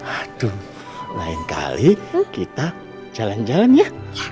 aduh lain kali kita jalan jalan ya